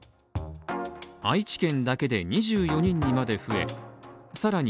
愛知県だけで２４人にまで増えさらに